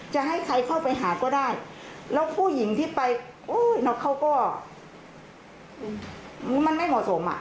จะให้ใครเข้าไปหาก็ได้แล้วผู้หญิงที่ไปเขาก็ไม่เหมาะสม